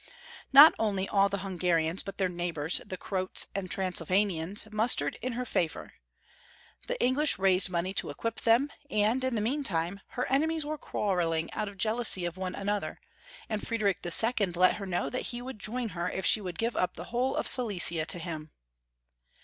Not only all the Hungarians, but their neighbors, the Croats and Transylvanians, mustered in her favor. The English raised money to equip them, and, in the meantime, her enemies were quarreling out of jealousy of one another ; and Friedrich II. let her know that he would join her if she would give up the whole of Silesia to him.